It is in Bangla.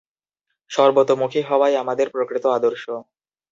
সর্বতোমুখী হওয়াই আমাদের প্রকৃত আদর্শ।